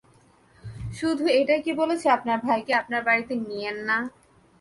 এটাই কি বলেছে আপনার ভাইকে আপনার বাড়িতে নিয়েন না?